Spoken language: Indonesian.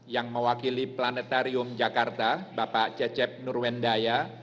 yang mewakili planetarium jakarta bapak cecep nurwendaya